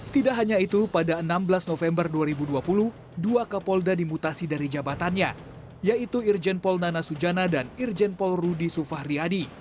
tidak hanya itu pada enam belas november dua ribu dua puluh dua kapolda dimutasi dari jabatannya yaitu irjenpol nana sujana dan irjenpol rudy sufahriadi